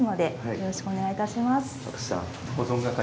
よろしくお願いします。